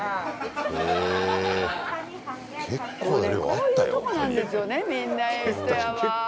こういうとこなんですよね。